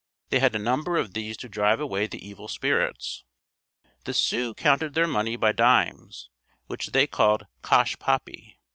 They had a number of these to drive away the evil spirits. The Sioux counted their money by dimes, which they called Cosh poppy.